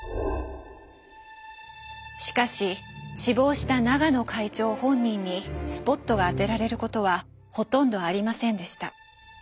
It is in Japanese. しかし死亡した永野会長本人にスポットが当てられることはほとんどありませんでした。